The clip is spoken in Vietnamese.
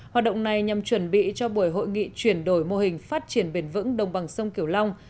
hoạt động này nhằm chuẩn bị cho buổi hội nghị chuyển đổi mô hình phát triển bền vững đồng bằng sông kiểu long